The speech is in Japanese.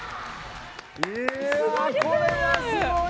これはすごい。